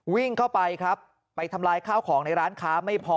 วิ่งเข้าไปครับไปทำลายข้าวของในร้านค้าไม่พอ